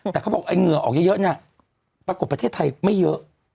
แต่เขาบอกไอ้เหงื่อออกเยอะเนี่ยปรากฏประเทศไทยไม่เยอะ